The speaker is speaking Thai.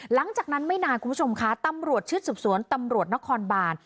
หลังจากนั้นไม่นานคุณผู้ชมค่ะตำรวจชุดสืบสวนตำรวจนครบาน